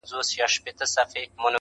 تازه هوا-